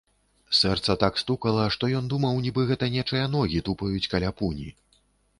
Сэрца так стукала, што ён думаў, нібы гэта нечыя ногі тупаюць каля пуні.